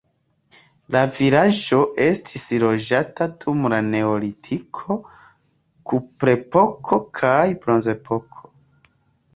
La vilaĝo estis loĝata dum la neolitiko, kuprepoko kaj bronzepoko.